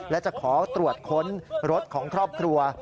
และจะขอตรวจค้นรถของครอบครัว